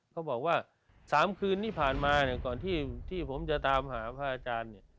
เขาบอกว่าสามคืนนี้ผ่านมานะก่อนที่ผมจะไปตามหาพาอาจารย์